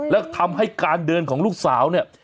แล้วทำให้การเดินของลูกสาวเนี่ย